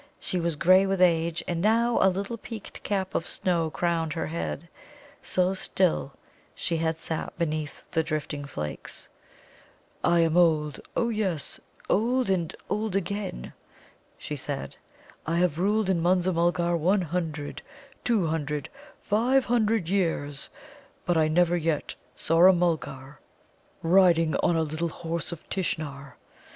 She was grey with age, and now a little peaked cap of snow crowned her head, so still she had sat beneath the drifting flakes. "I am old oh yes, old, and old again," she said. "I have ruled in Munza mulgar one hundred, two hundred, five hundred years, but I never yet saw a Mulgar riding on a Little Horse of Tishnar.